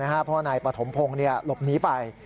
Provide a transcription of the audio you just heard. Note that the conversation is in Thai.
เพราะว่านายปฐมพงศ์หลบหนีไป